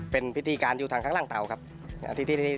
เป็นพิธีการอยู่ทางข้างล่างเตาครับที่เราทำกัน